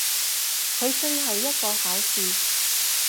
佢最後一個考試！